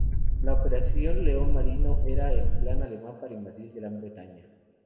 La Operación León Marino era el plan alemán para invadir Gran Bretaña.